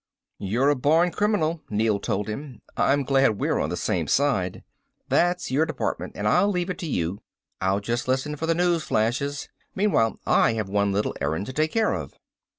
"You're a born criminal," Neel told him. "I'm glad we're on the same side. That's your department and I leave it to you. I'll just listen for the news flashes. Meanwhile I have one little errand to take care of."